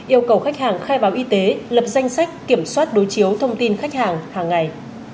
yêu cầu khách hàng khai báo y tế lập danh sách kiểm soát đối chiếu thông tin khách hàng hàng ngày